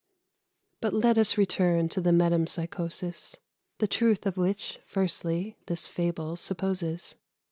But let us return to the Metempsychosis The truth of which, firstly, this fable supposes.